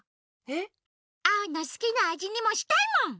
えっ？アオのすきなあじにもしたいもん！